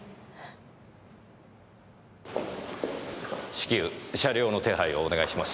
至急車両の手配をお願いします。